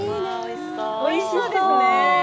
おいしそうですね。